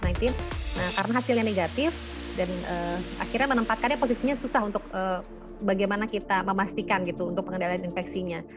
nah karena hasilnya negatif dan akhirnya menempatkannya posisinya susah untuk bagaimana kita memastikan gitu untuk pengendalian infeksinya